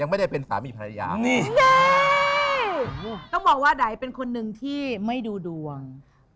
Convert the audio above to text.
ไม่ดูดวง